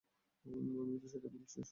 আমিও তো সেটাই বলছি, সুলতান।